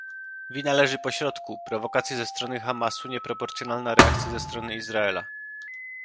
wina leży pośrodku - prowokacje ze strony Hamasu, nieproporcjonalna reakcja ze strony Izraela